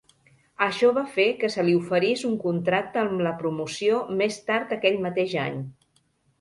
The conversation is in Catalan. Això va fer que se li oferís un contracte amb la promoció més tard aquell mateix any.